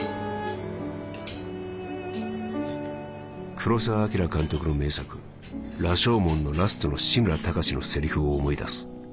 「黒澤明監督の名作『羅生門』のラストの志村喬のセリフを思い出す。